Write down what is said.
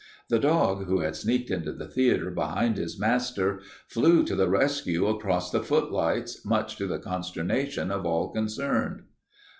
The dog, who had sneaked into the theater behind his master, flew to the rescue across the footlights, much to the consternation of all concerned."